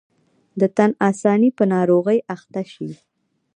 د تن آساني په ناروغۍ اخته شي.